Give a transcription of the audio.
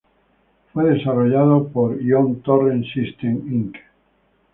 Fue desarrollada por Ion Torrent Systems Inc.